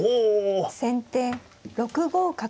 先手６五角。